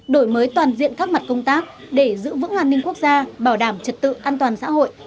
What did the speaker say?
đổi mới toàn diện các mặt công tác để giữ vững an ninh quốc gia bảo đảm trật tự an toàn xã hội